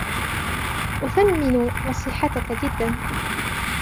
أثمّن نصيحتَكَ جداً.